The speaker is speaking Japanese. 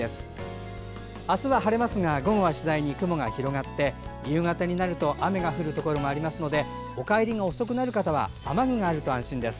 明日は次第に雲が広がって雨が降るところもありますのでお帰りが遅くなる方は雨具があると安心です。